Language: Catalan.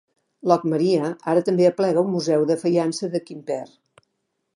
Locmaria ara també aplega un museu de faiança de Quimper.